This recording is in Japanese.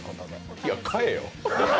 いや、買えよ！